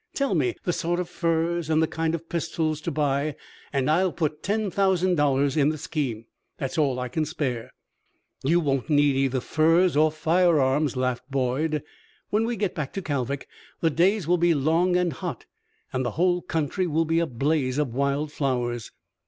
Tell me the sort of furs and the kind of pistols to buy, and I'll put ten thousand dollars in the scheme. That's all I can spare." "You won't need either furs or firearms," laughed Boyd. "When we get back to Kalvik the days will be long and hot, and the whole country will be a blaze of wild flowers."